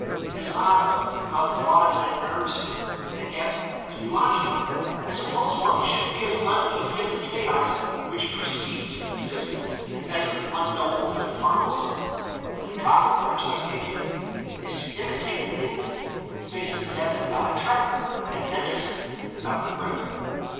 It is odd, though, how the thought of it unnerves one, and yet, to be logical, I suppose one should be as uneasy of the chaos which precedes existence as of the unknowable that follows it. The proper course, I take it, is to imitate the infant, who faces death without a tremor, and enters it without regret."